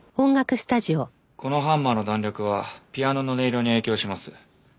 このハンマーの弾力はピアノの音色に影響します。